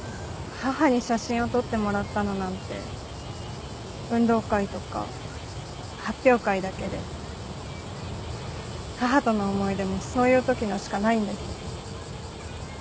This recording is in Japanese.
母に写真を撮ってもらったのなんて運動会とか発表会だけで母との思い出もそういうときのしかないんです。